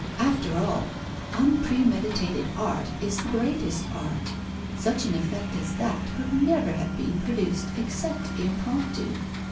After all, unpremeditated art is the greatest art. Such an effect as that could never have been produced except impromptu."